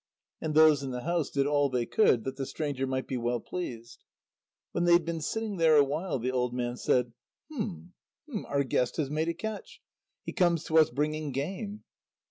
And those in the house did all they could that the stranger might be well pleased. When they had been sitting there a while, the old man said: "Hum hum ... our guest has made a catch ... he comes to us bringing game."